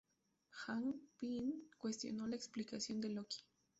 Hank Pym cuestionó la explicación de Loki.